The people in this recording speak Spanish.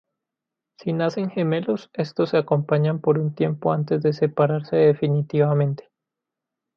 Si nacen gemelos, estos se acompañan por un tiempo antes de separarse definitivamente.